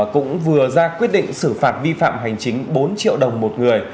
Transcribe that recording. cũng vừa ra quyết định xử phạt vi phạm hành chính bốn triệu đồng một người